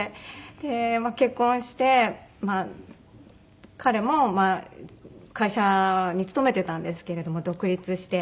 まあ彼も会社に勤めてたんですけれども独立して。